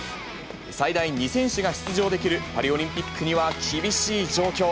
最大２選手が出場できるパリオリンピックには厳しい状況。